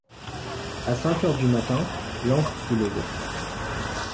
À cinq heures du matin, l’ancre fut levée.